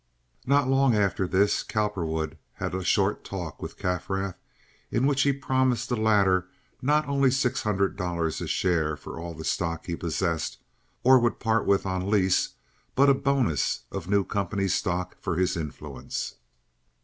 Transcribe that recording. Not long after this Cowperwood had a short talk with Kaffrath, in which he promised the latter not only six hundred dollars a share for all the stock he possessed or would part with on lease, but a bonus of new company stock for his influence.